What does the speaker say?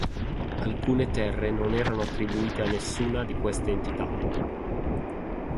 Alcune terre non erano attribuite a nessuna di queste entità.